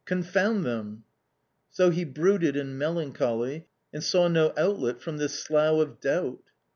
Con found them ! So he brooded in melancholy, and saw no outlet from this slough of doubt.